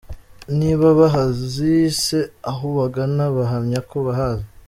Niba bahazi se aho bagana bahamya ko bahazi?